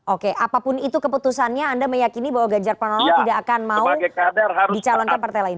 oke apapun itu keputusannya anda meyakini bahwa ganjar pranowo tidak akan mau dicalonkan partai lain